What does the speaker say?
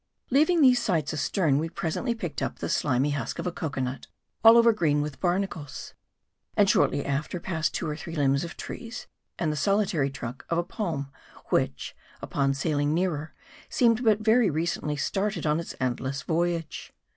Leaving these sights astern, we presently picked up the slimy husk of a coeoanut, all over green barnacles. And shortly after, passed two or three limbs of trees, and the sol itary trunk of a palm ; which, upon sailing nearer, seemed but very recently started on its endless voyage.